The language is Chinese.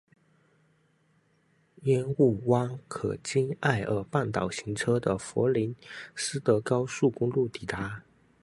烟雾湾可经沿艾尔半岛行车的弗林德斯高速公路抵达。